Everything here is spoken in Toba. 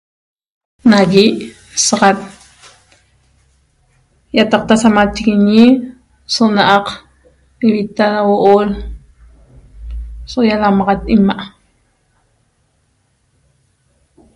Nagui saxat yataqta samachiguiñi so na'aq ivita ra huo'o so ialamaxat ima'